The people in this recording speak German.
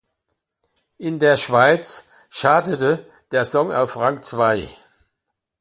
In der Schweiz chartete der Song auf Rang zwei.